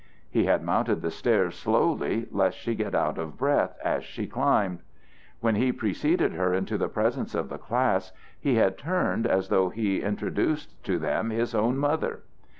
He had mounted the stairs slowly lest she get out of breath as she climbed. When he preceded her into the presence of the class, he had turned as though he introduced to them his own mother.